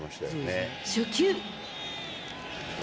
初球。